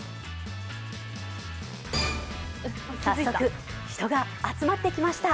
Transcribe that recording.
早速、人が集まってきました。